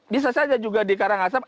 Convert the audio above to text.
bisa saja juga di karangasem